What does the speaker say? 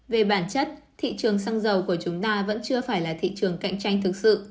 về bản chất thị trường xăng dầu của chúng ta vẫn chưa phải là thị trường cạnh tranh thực sự